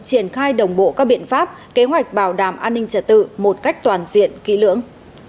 triển khai đồng bộ các biện pháp kế hoạch bảo đảm an ninh trả tự một cách toàn diện kỹ lưỡng